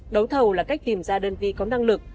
đấu thầu là cách tìm ra đơn vị có năng lực